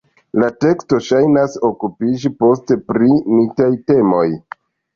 La teksto ŝajnas okupiĝi poste pri mitaj temoj.